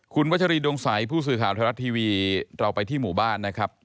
คุณวัชรีดวงใสผู้สื่อข่าวไทยรัฐทีวีเราไปที่หมู่บ้านนะครับ